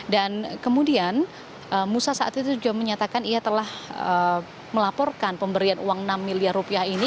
dan kemudian musa saat itu juga menyatakan ia telah melaporkan pemberian uang enam miliar rupiah ini